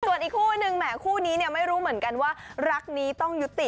ส่วนอีกคู่นึงแหมคู่นี้เนี่ยไม่รู้เหมือนกันว่ารักนี้ต้องยุติ